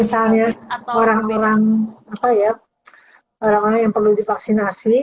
misalnya orang orang yang perlu divaksinasi